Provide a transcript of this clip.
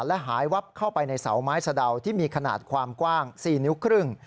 และหายวับเข้าไปในเสาไม้สะดาวที่มีขนาดความกว้าง๔นิ้วครึ่ง